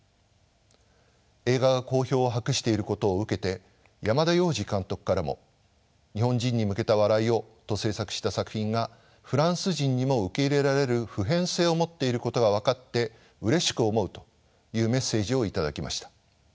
映画が好評を博していることを受けて山田洋次監督からも「『日本人に向けた笑いを』と製作した作品がフランス人にも受け入れられる普遍性を持っていることが分かってうれしく思う」というメッセ―ジを頂きました。